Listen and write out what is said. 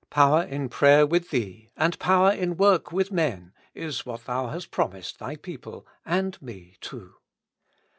Power in prayer with Thee, and power in work with men, is what Thou hast promised Thy people and me too.